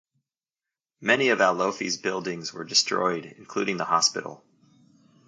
Many of Alofi's buildings were destroyed, including the hospital.